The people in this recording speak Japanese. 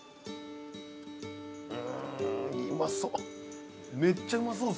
うまそう！